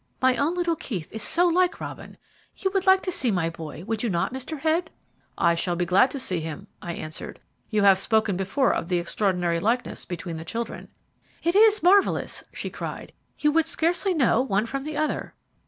My own little Keith is so like Robin. You would like to see my boy, would you not, Mr. Head?" "I shall be glad to see him," I answered. "You have spoken before of the extraordinary likeness between the children." "It is marvellous," she cried; "you would scarcely know one from the other."